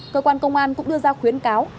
cơ quan công an cũng đưa ra khuyến cáo